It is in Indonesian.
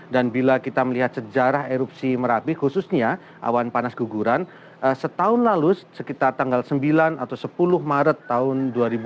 dan bila kita melihat sejarah erupsi merapi khususnya awan panas guguran setahun lalu sekitar tanggal sembilan atau sepuluh maret tahun dua ribu dua puluh dua